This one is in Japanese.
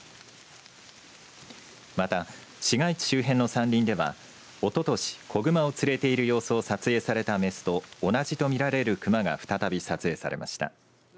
また市街地周辺の山林ではおととし子グマを連れている様子を撮影されたメスと同じとみられるクマが再び撮影されました。